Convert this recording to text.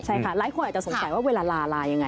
ใช่ค่ะหลายคนอาจจะสงสัยว่าเวลาลาลายังไง